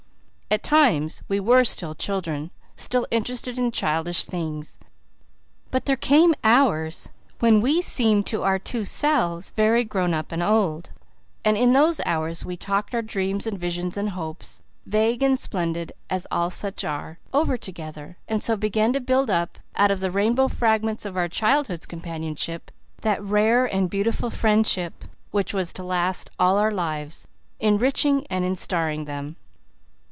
At times we were still children, still interested in childish things. But there came hours when we seemed to our two selves very grown up and old, and in those hours we talked our dreams and visions and hopes, vague and splendid, as all such are, over together, and so began to build up, out of the rainbow fragments of our childhood's companionship, that rare and beautiful friendship which was to last all our lives, enriching and enstarring them.